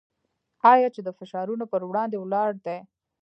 آیا چې د فشارونو پر وړاندې ولاړ دی؟